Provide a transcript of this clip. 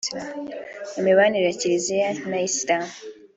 imibanire ya Kiliziya na Islam